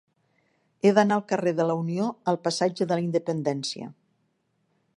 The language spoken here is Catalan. He d'anar del carrer de la Unió al passatge de la Independència.